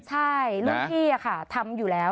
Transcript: ใช่เรื่องที่อะค่ะทำอยู่แล้ว